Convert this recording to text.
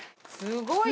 すごい！